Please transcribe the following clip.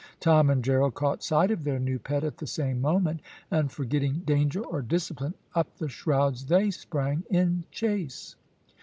Tom and Gerald caught sight of their new pet at the same moment, and forgetting danger or discipline up the shrouds they sprang in chase.